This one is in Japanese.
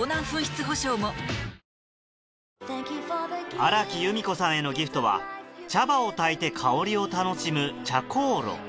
荒木由美子さんへのギフトは茶葉をたいて香りを楽しむ茶香炉